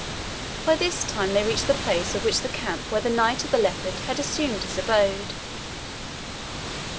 By this time they reached the place of the camp where the Knight of the Leopard had assumed his abode.